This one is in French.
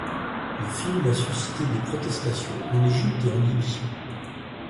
Le film a suscité des protestations en Égypte et en Libye.